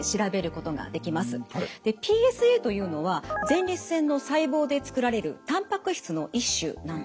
ＰＳＡというのは前立腺の細胞で作られるたんぱく質の一種なんですね。